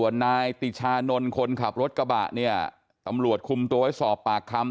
นายติชานนท์คนขับรถกระบะเนี่ยตำรวจคุมตัวไว้สอบปากคำ